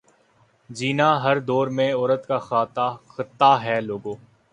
جینا ہر دور میں عورت کا خطا ہے لوگو